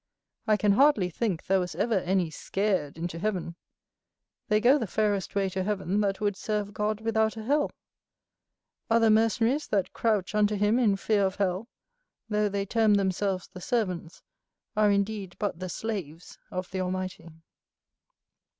I can hardly think there was ever any scared into heaven: they go the fairest way to heaven that would serve God without a hell: other mercenaries, that crouch unto him in fear of hell, though they term themselves the servants, are indeed but the slaves, of the Almighty.